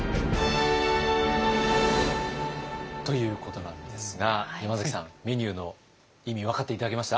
ということなんですが山崎さんメニューの意味分かって頂けました？